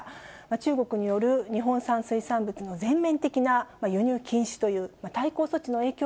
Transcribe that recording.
中国による日本産水産物の全面的な輸入禁止という対抗措置の影響